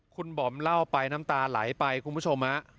คุณบอมเล่าไปน้ำตาไหลไปคุณผู้ชมฮะ